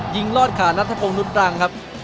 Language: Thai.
ยิงลอดขานัตภพงศ์นุษย์ตรังครับ